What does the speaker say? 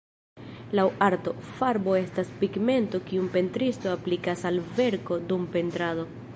Laŭ arto, farbo estas pigmento kiun pentristo aplikas al verko dum pentrado.